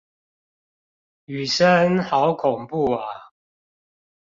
雨聲好恐怖啊！